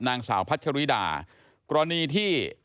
นางสาวพัชริดากรณีที่